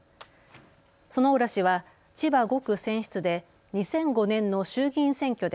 薗浦氏は千葉５区選出で２００５年の衆議院選挙で